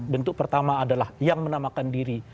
bentuk pertama adalah yang menamakan diri